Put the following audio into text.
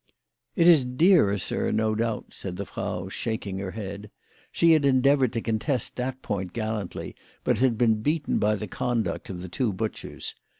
" It is dearer, sir, no doubt," said the Frau, shaking her head. She had endeavoured to contest that point gallantly, but had been beaten by the conduct of the two butchers.